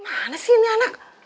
mana sih ini anak